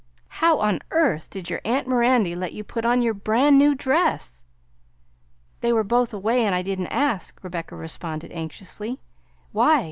How on earth did your aunt Mirandy let you put on your bran' new dress?" "They were both away and I didn't ask," Rebecca responded anxiously. "Why?